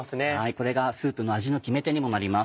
これがスープの味の決め手にもなります。